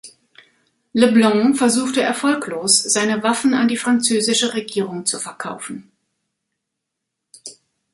Le Blanc versuchte erfolglos seine Waffen an die französische Regierung zu verkaufen.